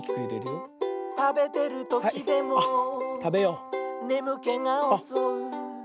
「たべてるときでもねむけがおそう」